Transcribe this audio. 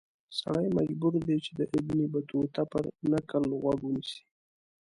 سړی مجبور دی چې د ابن بطوطه پر نکل غوږ ونیسي.